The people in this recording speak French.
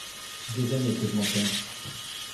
Des années que je m’entraîne.